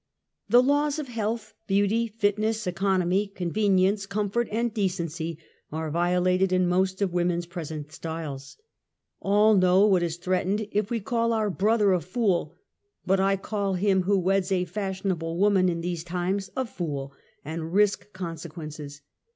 The laws of health, beauty, fitness, economy, con venience, comfort and decency are violated in most of women's present styles. All know what is threatened if we call our brother a fool ; but T call him who weds a fashionable woman in these times a fool, and risk consequences.